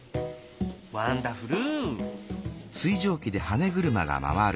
ワンダフル！